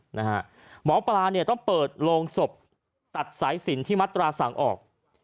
หมอปลาเนี่ยต้องเปิดโรงศพตัดสายสินที่มัตราสั่งออก